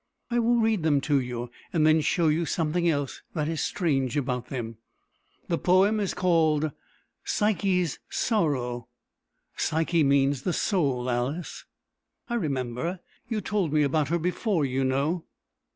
I will read them to you, and then show you something else that is strange about them. The poem is called Psyche's Sorrow. Psyche means the soul, Alice." "I remember. You told me about her before, you know."